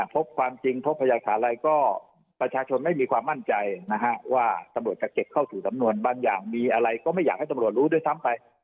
พบความจริงพบพยากฐานอะไรก็ประชาชนไม่มีความมั่นใจนะฮะว่าตำรวจจะเก็บเข้าสู่สำนวนบางอย่างมีอะไรก็ไม่อยากให้ตำรวจรู้ด้วยซ้ำไป